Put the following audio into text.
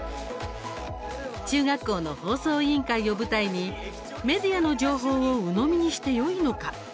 中学校の放送委員会を舞台にメディアの情報をうのみにしてよいのか？